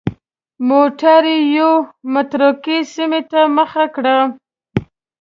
موټر یوې متروکې سیمې ته مخه کړه.